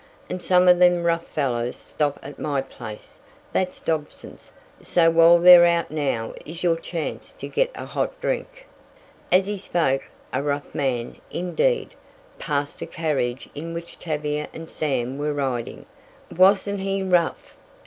And some of them rough fellows stop at my place that's Dobson's so while they're out now is your chance to get a hot drink." As he spoke, a rough man, indeed, passed the carriage in which Tavia and Sam were riding! Wasn't he rough!